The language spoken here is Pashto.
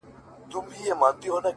ه ياره کندهار نه پرېږدم-